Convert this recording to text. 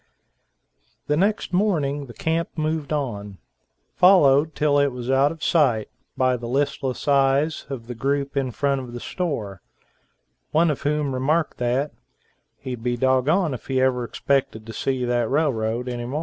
The next morning the camp moved on, followed till it was out of sight by the listless eyes of the group in front of the store, one of whom remarked that, "he'd be doggoned if he ever expected to see that railroad any mo'."